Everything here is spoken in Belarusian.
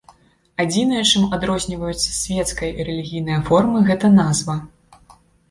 Адзінае, чым адрозніваюцца свецкая і рэлігійная формы, гэта назва.